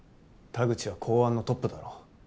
田口は公安のトップだろ。